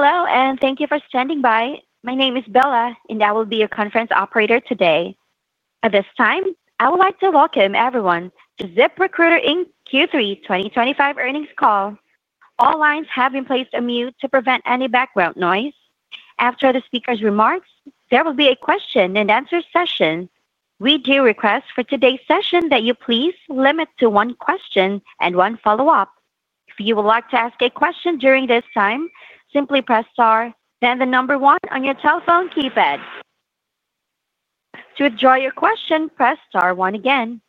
Hello, and thank you for standing by. My name is Bella, and I will be your conference operator today. At this time, I would like to welcome everyone to ZipRecruiter Q3 2025 earnings call. All lines have been placed on mute to prevent any background noise. After the speaker's remarks, there will be a question-and-answer session. We do request for today's session that you please limit to one question and one follow-up. If you would like to ask a question during this time, simply press star and the number one on your telephone keypad. To withdraw your question, press star one again.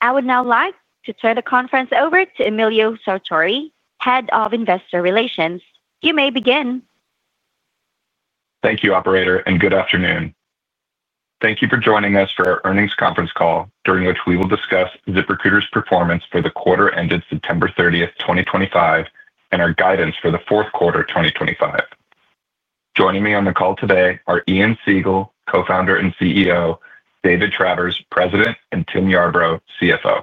I would now like to turn the conference over to Emilio Sartori, Head of Investor Relations. You may begin. Thank you, Operator, and good afternoon. Thank you for joining us for our earnings conference call, during which we will discuss ZipRecruiter's performance for the quarter ended September 30, 2025, and our guidance for the fourth quarter 2025. Joining me on the call today are Ian Siegel, Co-founder and CEO; David Travers, President; and Tim Yarbrough, CFO.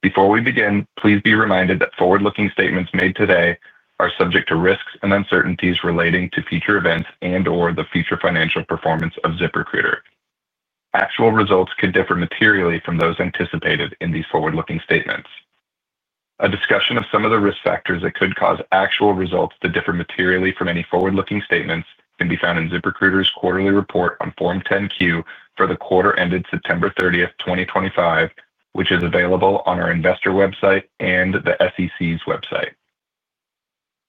Before we begin, please be reminded that forward-looking statements made today are subject to risks and uncertainties relating to future events and/or the future financial performance of ZipRecruiter. Actual results could differ materially from those anticipated in these forward-looking statements. A discussion of some of the risk factors that could cause actual results to differ materially from any forward-looking statements can be found in ZipRecruiter's quarterly report on Form 10-Q for the quarter ended September 30, 2025, which is available on our investor website and the SEC's website.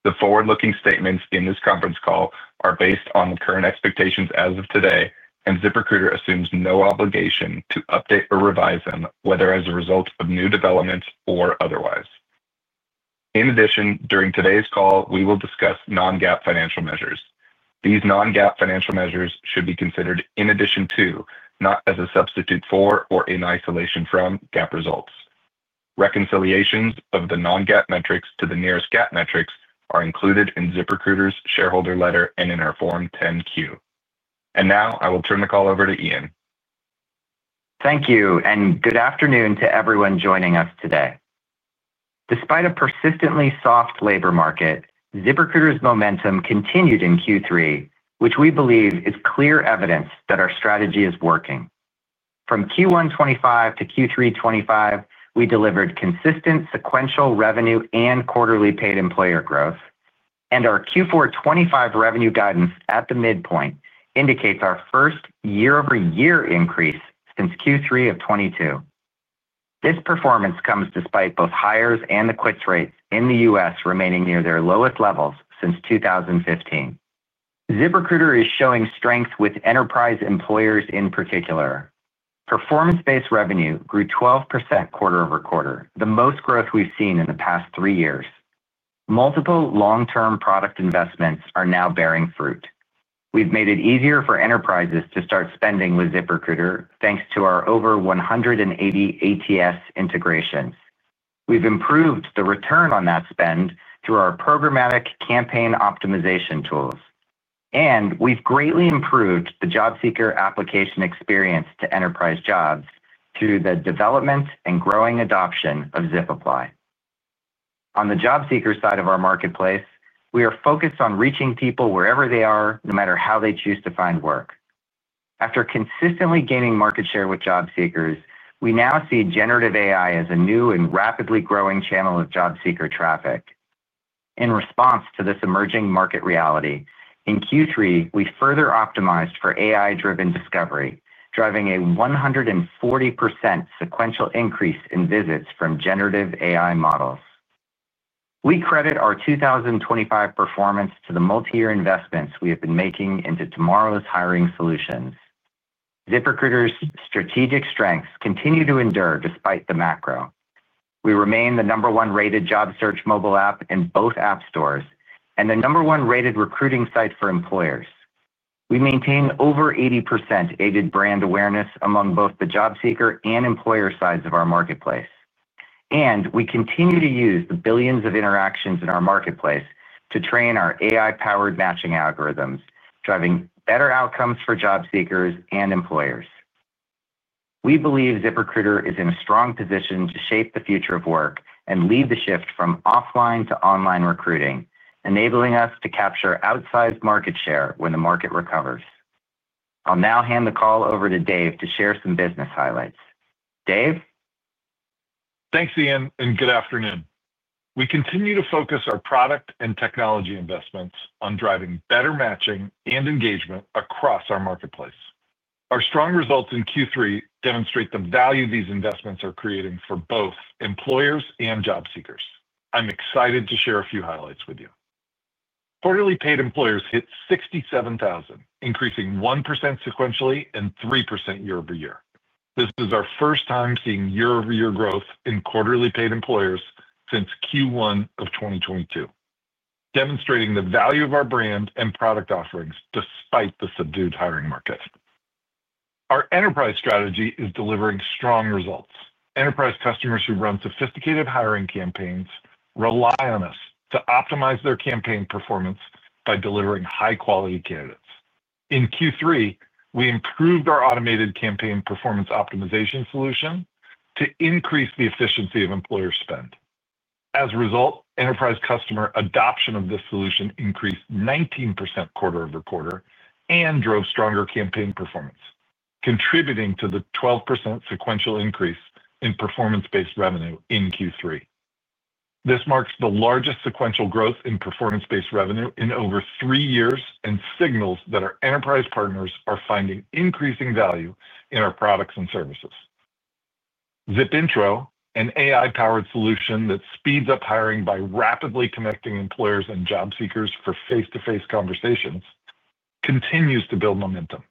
The forward-looking statements in this conference call are based on the current expectations as of today, and ZipRecruiter assumes no obligation to update or revise them, whether as a result of new developments or otherwise. In addition, during today's call, we will discuss non-GAAP financial measures. These non-GAAP financial measures should be considered in addition to, not as a substitute for, or in isolation from, GAAP results. Reconciliations of the non-GAAP metrics to the nearest GAAP metrics are included in ZipRecruiter's shareholder letter and in our Form 10-Q. I will now turn the call over to Ian. Thank you, and good afternoon to everyone joining us today. Despite a persistently soft labor market, ZipRecruiter's momentum continued in Q3, which we believe is clear evidence that our strategy is working. From Q1 2025–Q3 2025, we delivered consistent sequential revenue and quarterly paid employer growth, and our Q4 2025 revenue guidance at the midpoint indicates our first year-over-year increase since Q3 of 2022. This performance comes despite both hires and the quits rates in the U.S. remaining near their lowest levels since 2015. ZipRecruiter is showing strength with enterprise employers in particular. Performance-based revenue grew 12% quarter-over-quarter, the most growth we've seen in the past three years. Multiple long-term product investments are now bearing fruit. We've made it easier for enterprises to start spending with ZipRecruiter thanks to our over 180 ATS integrations. We've improved the return on that spend through our programmatic campaign optimization tools, and we've greatly improved the job seeker application experience to enterprise jobs through the development and growing adoption of ZipApply. On the job seeker side of our marketplace, we are focused on reaching people wherever they are, no matter how they choose to find work. After consistently gaining market share with job seekers, we now see generative AI as a new and rapidly growing channel of job seeker traffic. In response to this emerging market reality, in Q3, we further optimized for AI-driven discovery, driving a 140% sequential increase in visits from generative AI models. We credit our 2025 performance to the multi-year investments we have been making into tomorrow's hiring solutions. ZipRecruiter's strategic strengths continue to endure despite the macro. We remain the number one rated job search mobile app in both app stores and the number one rated recruiting site for employers. We maintain over 80% aided brand awareness among both the job seeker and employer sides of our marketplace, and we continue to use the billions of interactions in our marketplace to train our AI-powered matching algorithms, driving better outcomes for job seekers and employers. We believe ZipRecruiter is in a strong position to shape the future of work and lead the shift from offline to online recruiting, enabling us to capture outsized market share when the market recovers. I'll now hand the call over to Dave to share some business highlights. Dave? Thanks, Ian, and good afternoon. We continue to focus our product and technology investments on driving better matching and engagement across our marketplace. Our strong results in Q3 demonstrate the value these investments are creating for both employers and job seekers. I'm excited to share a few highlights with you. Quarterly paid employers hit 67,000, increasing 1% sequentially and 3% year-over-year. This is our first time seeing year-over-year growth in quarterly paid employers since Q1 of 2022, demonstrating the value of our brand and product offerings despite the subdued hiring market. Our enterprise strategy is delivering strong results. Enterprise customers who run sophisticated hiring campaigns rely on us to optimize their campaign performance by delivering high-quality candidates. In Q3, we improved our automated campaign performance optimization solution to increase the efficiency of employer spend. As a result, enterprise customer adoption of this solution increased 19% quarter-over-quarter and drove stronger campaign performance, contributing to the 12% sequential increase in performance-based revenue in Q3. This marks the largest sequential growth in performance-based revenue in over three years and signals that our enterprise partners are finding increasing value in our products and services. ZipIntro, an AI-powered solution that speeds up hiring by rapidly connecting employers and job seekers for face-to-face conversations, continues to build momentum.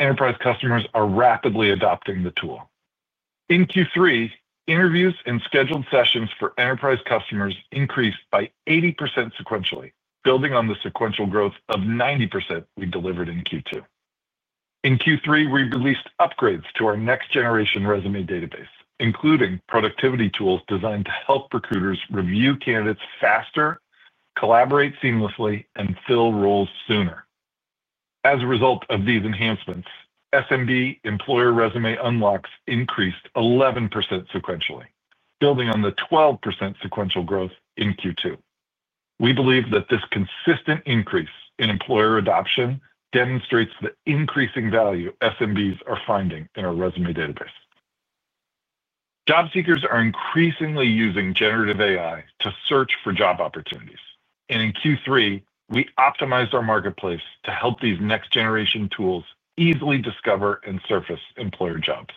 Enterprise customers are rapidly adopting the tool. In Q3, interviews and scheduled sessions for enterprise customers increased by 80% sequentially, building on the sequential growth of 90% we delivered in Q2. In Q3, we released upgrades to our next-generation resume database, including productivity tools designed to help recruiters review candidates faster, collaborate seamlessly, and fill roles sooner. As a result of these enhancements, SMB employer resume unlocks increased 11% sequentially, building on the 12% sequential growth in Q2. We believe that this consistent increase in employer adoption demonstrates the increasing value SMBs are finding in our resume database. Job seekers are increasingly using generative AI to search for job opportunities, and in Q3, we optimized our marketplace to help these next-generation tools easily discover and surface employer jobs.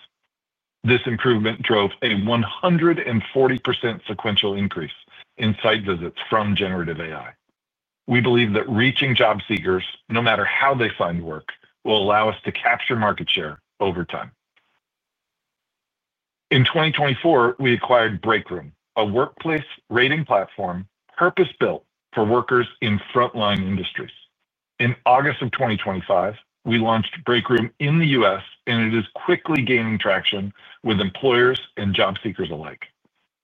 This improvement drove a 140% sequential increase in site visits from generative AI. We believe that reaching job seekers, no matter how they find work, will allow us to capture market share over time. In 2024, we acquired Breakroom, a workplace rating platform purpose-built for workers in frontline industries. In August of 2025, we launched Breakroom in the U.S., and it is quickly gaining traction with employers and job seekers alike.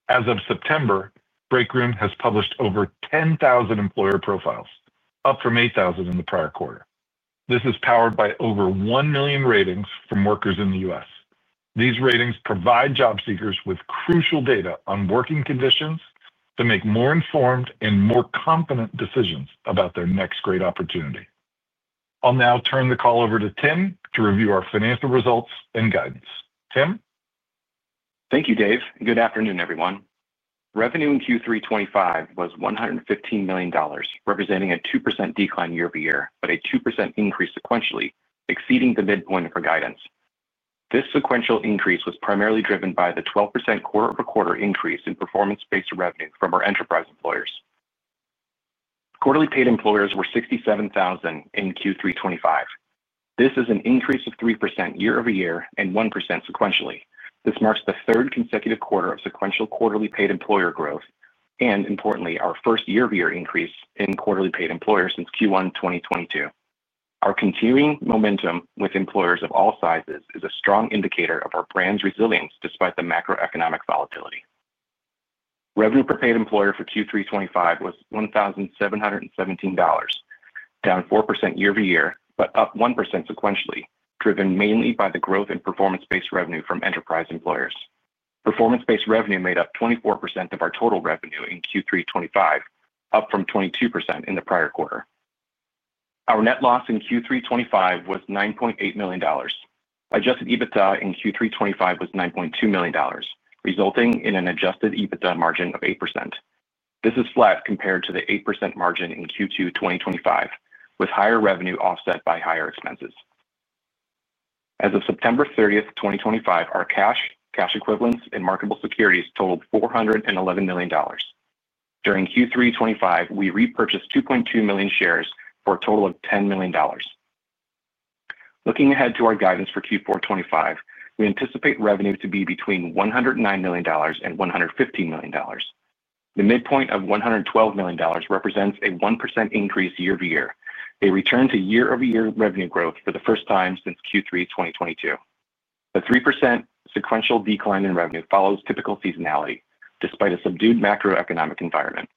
As of September, Breakroom has published over 10,000 employer profiles, up from 8,000 in the prior quarter. This is powered by over 1 million ratings from workers in the U.S. These ratings provide job seekers with crucial data on working conditions to make more informed and more confident decisions about their next great opportunity. I'll now turn the call over to Tim to review our financial results and guidance. Tim? Thank you, Dave. Good afternoon, everyone. Revenue in Q3 2025 was $115 million, representing a 2% decline year-over-year, but a 2% increase sequentially, exceeding the midpoint of our guidance. This sequential increase was primarily driven by the 12% quarter-over-quarter increase in performance-based revenue from our enterprise employers. Quarterly paid employers were 67,000 in Q3 2025. This is an increase of 3% year-over-year and 1% sequentially. This marks the third consecutive quarter of sequential quarterly paid employer growth and, importantly, our first year-over-year increase in quarterly paid employers since Q1 2022. Our continuing momentum with employers of all sizes is a strong indicator of our brand's resilience despite the macroeconomic volatility. Revenue per paid employer for Q3 2025 was $1,717. Down 4% year-over-year, but up 1% sequentially, driven mainly by the growth in performance-based revenue from enterprise employers. Performance-based revenue made up 24% of our total revenue in Q3 2025, up from 22% in the prior quarter. Our net loss in Q3 2025 was $9.8 million. Adjusted EBITDA in Q3 2025 was $9.2 million, resulting in an adjusted EBITDA margin of 8%. This is flat compared to the 8% margin in Q2 2025, with higher revenue offset by higher expenses. As of September 30, 2025, our cash, cash equivalents, and marketable securities totaled $411 million. During Q3 2025, we repurchased 2.2 million shares for a total of $10 million. Looking ahead to our guidance for Q4 2025, we anticipate revenue to be between $109 million and $115 million. The midpoint of $112 million represents a 1% increase year-over-year, a return to year-over-year revenue growth for the first time since Q3 2022. The 3% sequential decline in revenue follows typical seasonality, despite a subdued macroeconomic environment.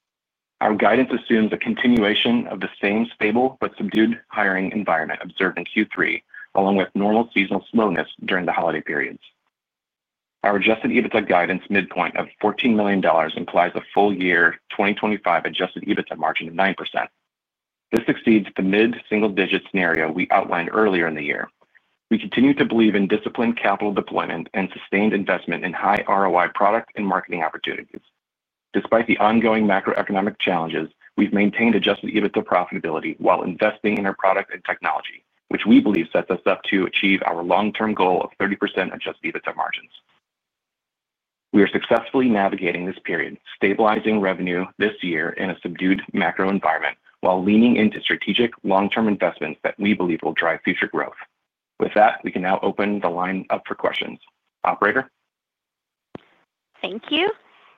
Our guidance assumes a continuation of the same stable but subdued hiring environment observed in Q3, along with normal seasonal slowness during the holiday periods. Our adjusted EBITDA guidance midpoint of $14 million implies a full year 2025 adjusted EBITDA margin of 9%. This exceeds the mid-single-digit scenario we outlined earlier in the year. We continue to believe in disciplined capital deployment and sustained investment in high ROI product and marketing opportunities. Despite the ongoing macroeconomic challenges, we've maintained adjusted EBITDA profitability while investing in our product and technology, which we believe sets us up to achieve our long-term goal of 30% adjusted EBITDA margins. We are successfully navigating this period, stabilizing revenue this year in a subdued macro environment while leaning into strategic long-term investments that we believe will drive future growth. With that, we can now open the line up for questions. Operator? Thank you.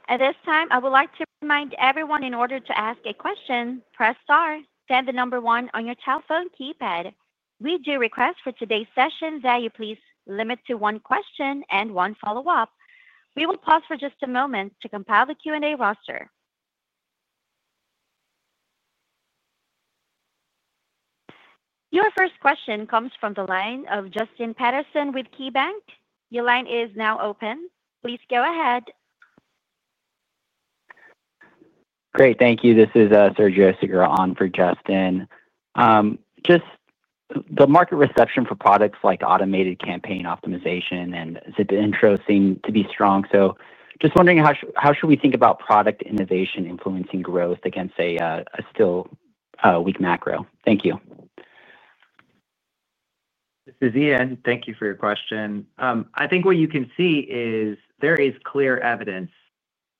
At this time, I would like to remind everyone in order to ask a question, press star, then the number one on your telephone keypad. We do request for today's session that you please limit to one question and one follow-up. We will pause for just a moment to compile the Q&A roster. Your first question comes from the line of Justin Patterson with KeyBanc. Your line is now open. Please go ahead. Great. Thank you. This is Sergio Siegel on for Justin. Just the market reception for products like automated campaign optimization and ZipIntro seem to be strong. So just wondering how should we think about product innovation influencing growth against a still weak macro? Thank you. This is Ian. Thank you for your question. I think what you can see is there is clear evidence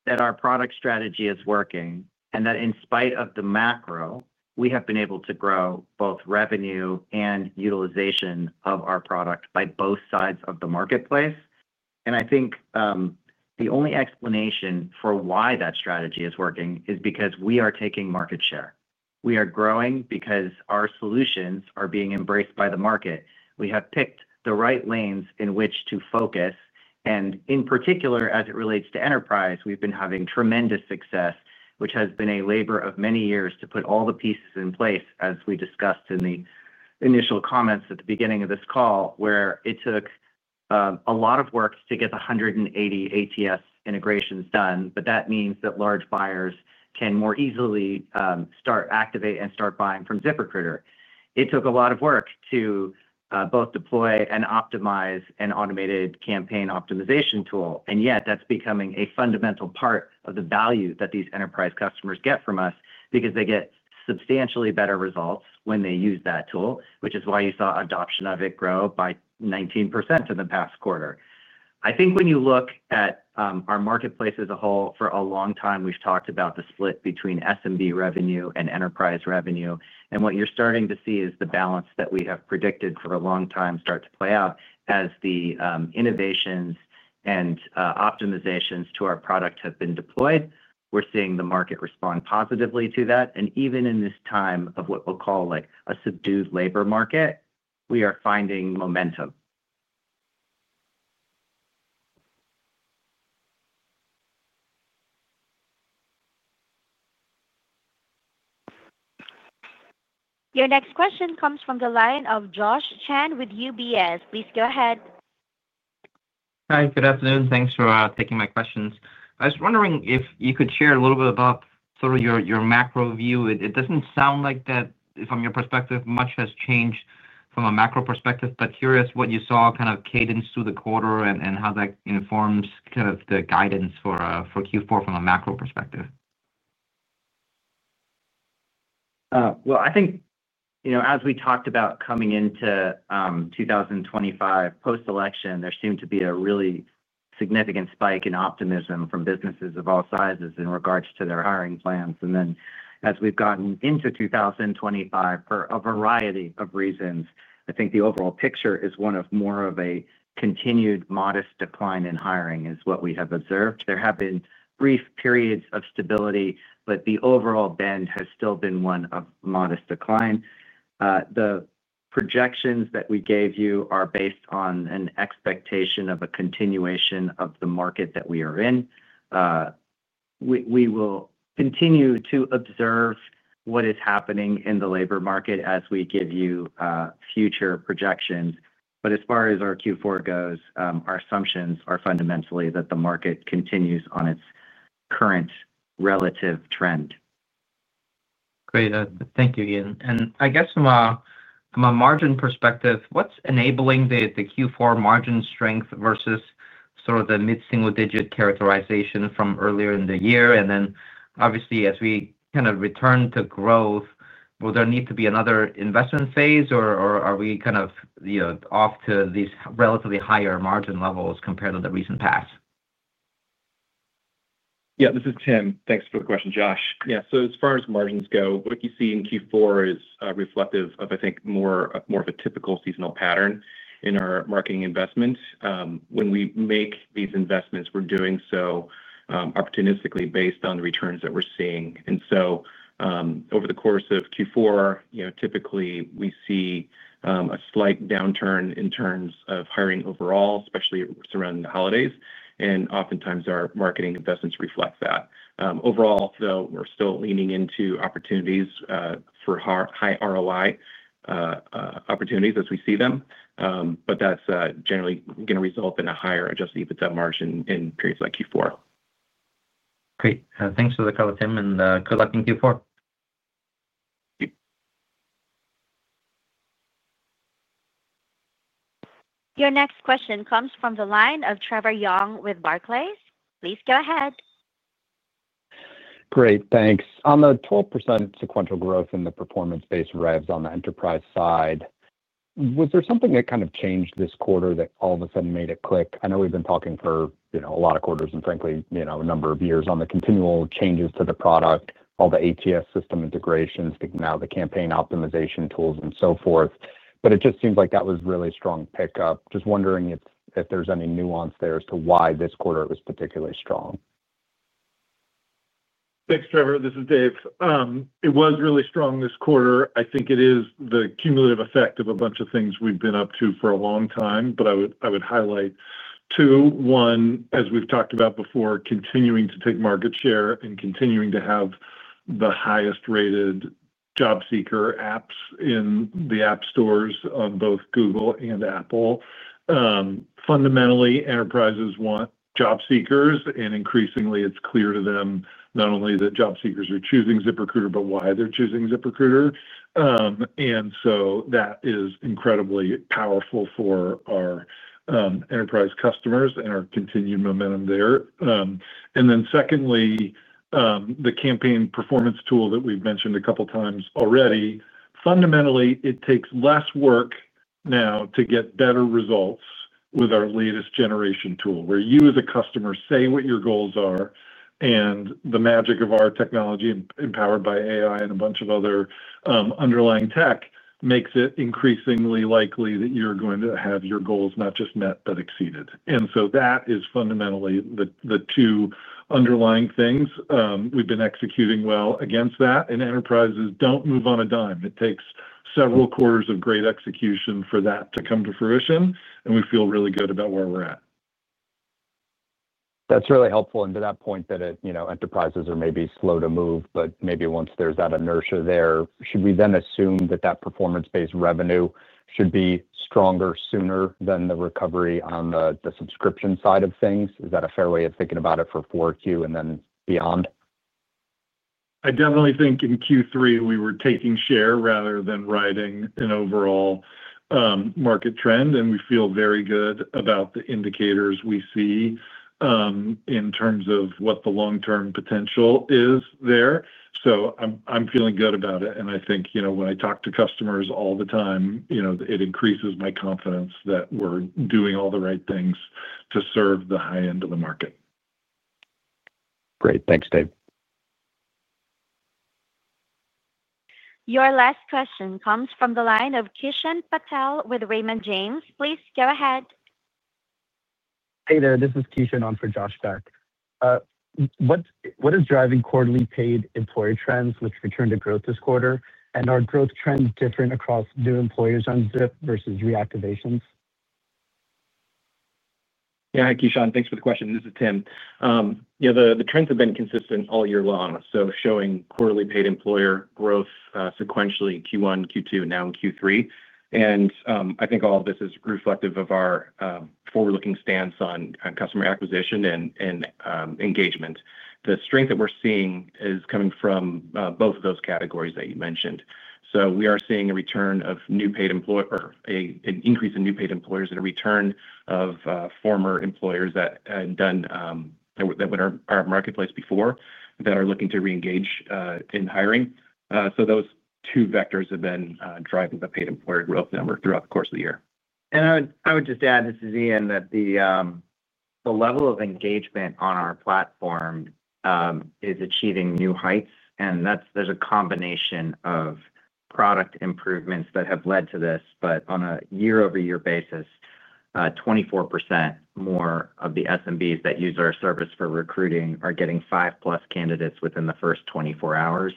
that our product strategy is working and that in spite of the macro, we have been able to grow both revenue and utilization of our product by both sides of the marketplace. I think the only explanation for why that strategy is working is because we are taking market share. We are growing because our solutions are being embraced by the market. We have picked the right lanes in which to focus. In particular, as it relates to enterprise, we've been having tremendous success, which has been a labor of many years to put all the pieces in place, as we discussed in the initial comments at the beginning of this call, where it took. A lot of work to get 180 ATS integrations done, but that means that large buyers can more easily start, activate, and start buying from ZipRecruiter. It took a lot of work to both deploy and optimize an automated campaign optimization tool, and yet that's becoming a fundamental part of the value that these enterprise customers get from us because they get substantially better results when they use that tool, which is why you saw adoption of it grow by 19% in the past quarter. I think when you look at our marketplace as a whole, for a long time, we've talked about the split between SMB revenue and enterprise revenue. What you're starting to see is the balance that we have predicted for a long time start to play out as the innovations and optimizations to our product have been deployed. We're seeing the market respond positively to that. Even in this time of what we'll call a subdued labor market, we are finding momentum. Your next question comes from the line of Joshua Chan with UBS. Please go ahead. Hi, good afternoon. Thanks for taking my questions. I was wondering if you could share a little bit about sort of your macro view. It doesn't sound like that, from your perspective, much has changed from a macro perspective, but curious what you saw kind of cadence through the quarter and how that informs kind of the guidance for Q4 from a macro perspective. I think as we talked about coming into 2025 post-election, there seemed to be a really significant spike in optimism from businesses of all sizes in regards to their hiring plans. As we've gotten into 2025, for a variety of reasons, I think the overall picture is one of more of a continued modest decline in hiring is what we have observed. There have been brief periods of stability, but the overall bend has still been one of modest decline. The projections that we gave you are based on an expectation of a continuation of the market that we are in. We will continue to observe what is happening in the labor market as we give you future projections. As far as our Q4 goes, our assumptions are fundamentally that the market continues on its current relative trend. Great. Thank you, Ian. I guess from a margin perspective, what's enabling the Q4 margin strength versus sort of the mid-single-digit characterization from earlier in the year? Obviously, as we kind of return to growth, will there need to be another investment phase, or are we kind of off to these relatively higher margin levels compared to the recent past? Yeah, this is Tim. Thanks for the question, Josh. Yeah. As far as margins go, what you see in Q4 is reflective of, I think, more of a typical seasonal pattern in our marketing investments. When we make these investments, we're doing so opportunistically based on the returns that we're seeing. Over the course of Q4, typically, we see a slight downturn in terms of hiring overall, especially surrounding the holidays. Oftentimes, our marketing investments reflect that. Overall, though, we're still leaning into opportunities for high ROI opportunities as we see them, but that's generally going to result in a higher adjusted EBITDA margin in periods like Q4. Great. Thanks for the call, Tim, and good luck in Q4. Thank you. Your next question comes from the line of Trevor Young with Barclays. Please go ahead. Great. Thanks. On the 12% sequential growth in the performance-based revs on the enterprise side, was there something that kind of changed this quarter that all of a sudden made it click? I know we've been talking for a lot of quarters and, frankly, a number of years on the continual changes to the product, all the ATS system integrations, now the campaign optimization tools, and so forth. It just seems like that was really strong pickup. Just wondering if there's any nuance there as to why this quarter it was particularly strong. Thanks, Trevor. This is Dave. It was really strong this quarter. I think it is the cumulative effect of a bunch of things we've been up to for a long time, but I would highlight two. One, as we've talked about before, continuing to take market share and continuing to have the highest-rated job seeker apps in the app stores on both Google and Apple. Fundamentally, enterprises want job seekers, and increasingly, it's clear to them not only that job seekers are choosing ZipRecruiter, but why they're choosing ZipRecruiter. That is incredibly powerful for our enterprise customers and our continued momentum there. Then secondly. The campaign performance tool that we've mentioned a couple of times already, fundamentally, it takes less work now to get better results with our latest generation tool, where you, as a customer, say what your goals are, and the magic of our technology empowered by AI and a bunch of other underlying tech makes it increasingly likely that you're going to have your goals not just met, but exceeded. That is fundamentally the two underlying things we've been executing well against that. Enterprises do not move on a dime. It takes several quarters of great execution for that to come to fruition, and we feel really good about where we're at. That's really helpful. And to that point, that enterprises are maybe slow to move, but maybe once there's that inertia there, should we then assume that that performance-based revenue should be stronger sooner than the recovery on the subscription side of things? Is that a fair way of thinking about it for Q4 and then beyond? I definitely think in Q3, we were taking share rather than riding an overall market trend, and we feel very good about the indicators we see in terms of what the long-term potential is there. I'm feeling good about it. I think when I talk to customers all the time, it increases my confidence that we're doing all the right things to serve the high end of the market. Great. Thanks, Dave. Your last question comes from the line of Kishan Patel with Raymond James. Please go ahead. Hey there. This is Kishan on for Josh Beck. What is driving quarterly paid employer trends with return to growth this quarter? Are growth trends different across new employers on Zip versus reactivations? Yeah. Hi, Kishan. Thanks for the question. This is Tim. The trends have been consistent all year long, showing quarterly paid employer growth sequentially in Q1, Q2, now in Q3. I think all of this is reflective of our forward-looking stance on customer acquisition and engagement. The strength that we're seeing is coming from both of those categories that you mentioned. We are seeing a return of new paid employers or an increase in new paid employers and a return of former employers that used our marketplace before that are looking to re-engage in hiring. Those two vectors have been driving the paid employer growth number throughout the course of the year. I would just add, this is Ian, that the level of engagement on our platform is achieving new heights. There is a combination of product improvements that have led to this, but on a year-over-year basis, 24% more of the SMBs that use our service for recruiting are getting five-plus candidates within the first 24 hours.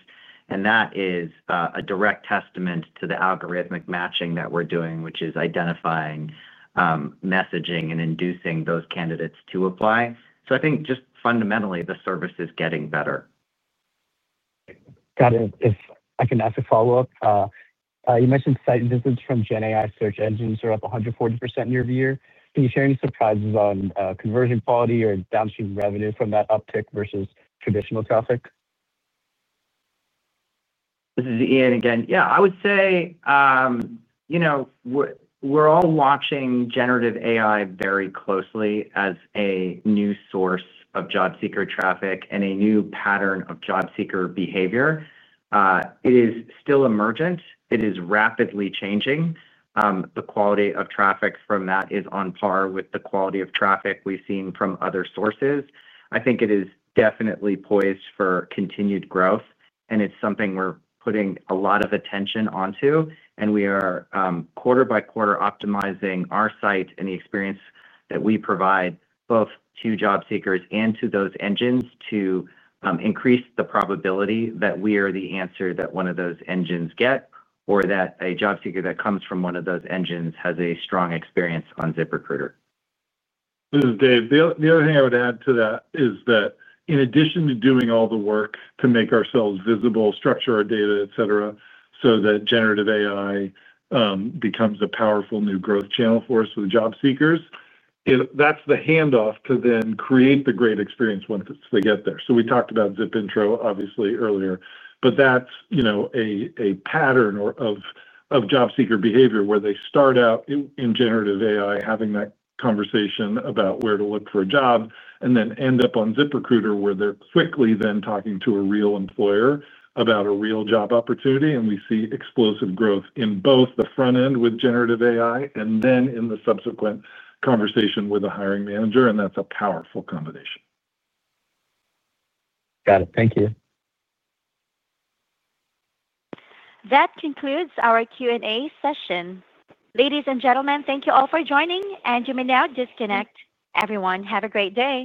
That is a direct testament to the algorithmic matching that we are doing, which is identifying, messaging, and inducing those candidates to apply. I think just fundamentally, the service is getting better. Got it. If I can ask a follow-up. You mentioned site visits from GenAI search engines are up 140% year-over-year. Can you share any surprises on conversion quality or downstream revenue from that uptick versus traditional traffic? This is Ian again. Yeah, I would say. We're all watching generative AI very closely as a new source of job seeker traffic and a new pattern of job seeker behavior. It is still emergent. It is rapidly changing. The quality of traffic from that is on par with the quality of traffic we've seen from other sources. I think it is definitely poised for continued growth, and it's something we're putting a lot of attention onto. We are quarter-by-quarter optimizing our site and the experience that we provide both to job seekers and to those engines to increase the probability that we are the answer that one of those engines get, or that a job seeker that comes from one of those engines has a strong experience on ZipRecruiter. This is Dave. The other thing I would add to that is that in addition to doing all the work to make ourselves visible, structure our data, etc., so that generative AI becomes a powerful new growth channel for us with job seekers, that's the handoff to then create the great experience once they get there. We talked about ZipIntro, obviously, earlier, but that's a pattern of job seeker behavior where they start out in generative AI, having that conversation about where to look for a job, and then end up on ZipRecruiter, where they're quickly then talking to a real employer about a real job opportunity. We see explosive growth in both the front end with generative AI and then in the subsequent conversation with a hiring manager. That's a powerful combination. Got it. Thank you. That concludes our Q&A session. Ladies and gentlemen, thank you all for joining, and you may now disconnect. Everyone, have a great day.